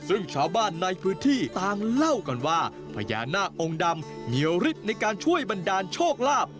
ซึ่งชาวบ้านในพื้นที่ต่างเล่ากันว่าพญานาคองค์ดำมีฤทธิ์ในการช่วยบันดาลโชคลาภ